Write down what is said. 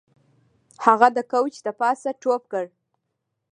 هغه د کوچ د پاسه ټوپ کړ